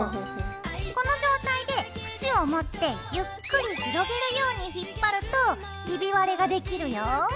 この状態で縁を持ってゆっくり広げるように引っ張るとヒビ割れができるよ。